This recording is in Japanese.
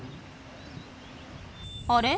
あれ？